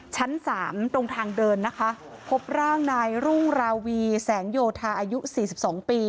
ชั้นสามตรงทางเดินนะคะพบร่างนายรุ่งราวีแสงโยธาอายุสี่สิบสองปี